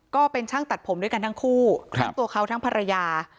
ก็เป็นช่างตัดผมด้วยกันทั้งคู่ทั้งตัวเขาทั้งภรรยา